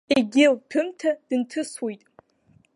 Егьи лҭәымҭа дынҭысуеит.